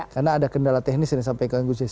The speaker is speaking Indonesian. karena ada kendala teknis yang disampaikan gus jazil